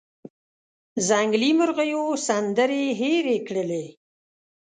ځنګلي مرغېو سندرې هیرې کړلې